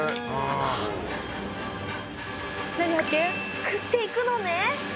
すくっていくのね！